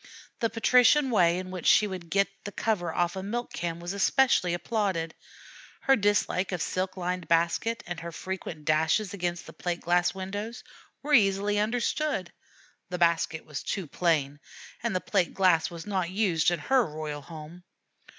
The patrician way in which she would get the cover off a milk can was especially applauded. Her dislike of her silk lined basket, and her frequent dashes against the plate glass windows, were easily understood: the basket was too plain, and plate glass was not used in her royal home.